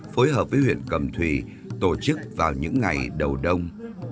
phối hợp với huyện cầm thủy tổ chức vào những ngày đầu đông